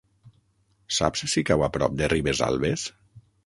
Saps si cau a prop de Ribesalbes?